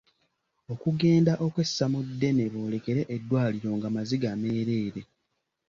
Okugenda okwessa mu ddene boolekere eddwaliro nga maziga meereere.